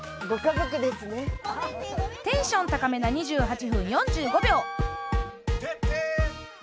テンション高めな２８分４５秒。